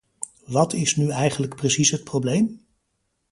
Wat is nu eigenlijk precies het probleem?